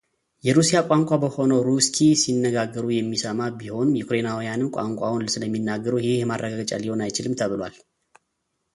የሩሲያ ቋንቋ በሆነው ሩስኪ ሲነጋገሩ የሚሰማ ቢሆንም ዩክሬናውያንም ቋንቋውን ስለሚናገሩ ይህ ማረጋገጫ ሊሆን አይችልም ተብሏል።